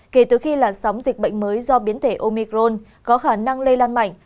kể từ khi làn sóng dịch bệnh mới do biến thể omicron có khả năng lây lan mạnh